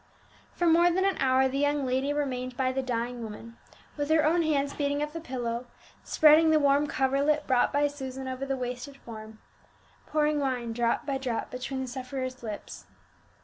For more than an hour the young lady remained by the dying woman, with her own hands beating up the pillow, spreading the warm coverlet brought by Susan over the wasted form, pouring wine, drop by drop, between the sufferer's lips.